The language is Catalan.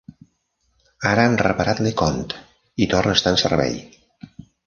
Ara han reparat "LeConte" i torna a estar en servei.